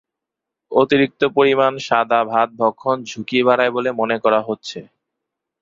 অতিরিক্ত পরিমাণ সাদা ভাত ভক্ষণ ঝুঁকি বাড়ায় বলে মনে করা হচ্ছে।